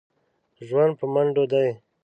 ژوند په منډو دی.